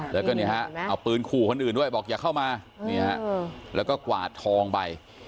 แล้วก็เนี่ยฮะเอาปืนขู่คนอื่นด้วยบอกอย่าเข้ามาเนี่ยฮะแล้วก็กวาดทองไป